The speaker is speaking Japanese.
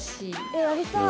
えやりたい。